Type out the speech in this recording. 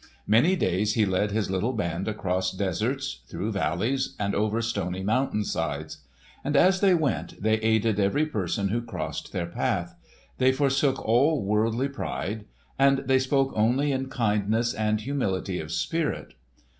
Many days he led his little band across deserts, through valleys, and over stony mountain sides. And as they went they aided every person who crossed their path; they forsook all worldly pride; and they spoke only in kindness and humility of spirit.